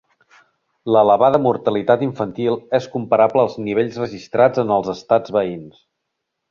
L'elevada mortalitat infantil és comparable als nivells registrats en els estats veïns.